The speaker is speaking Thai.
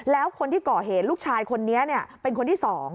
แล้วคนที่ก่อเหตุลูกชายคนนี้เป็นคนที่๒